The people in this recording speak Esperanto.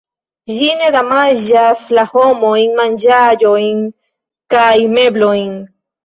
Ĝi ne damaĝas la homajn manĝaĵojn kaj meblojn.